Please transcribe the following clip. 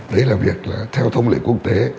đấy là việc là theo thông lệ quốc tế